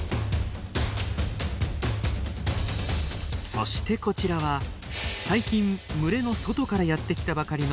そしてこちらは最近群れの外からやって来たばかりのトロント。